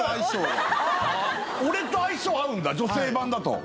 俺と相性合うんだ女性版だと。